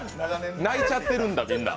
泣いちゃってるんだ、みんな。